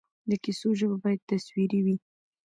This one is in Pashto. د کیسو ژبه باید تصویري وي.